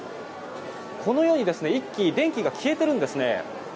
このように１基電気が消えているんですね。